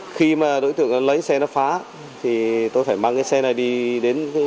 khi mà đối tượng lấy xe nó phá thì tôi phải mang cái xe này đi đến